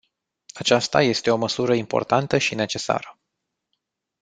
Aceasta este o măsură importantă și necesară.